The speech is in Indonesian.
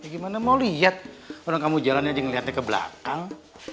gimana mau lihat orang kamu jalan aja ngeliatnya ke belakang